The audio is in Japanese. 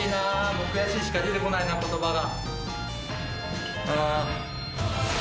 もう悔しいしか出て来ないな言葉が。